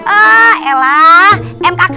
eh elah mkkb